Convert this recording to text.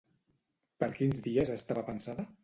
Per quins dies estava pensada?